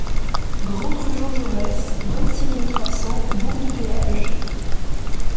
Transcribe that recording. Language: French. Grand'Rue Jean Jaurès, vingt-six mille trois cents Bourg-de-Péage